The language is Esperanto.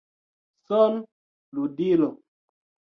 Son-ludilo